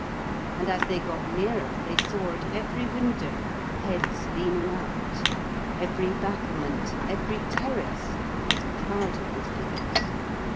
And as they got nearer, they saw at every window heads leaning out; every battlement, every terrace, was crowded with figures.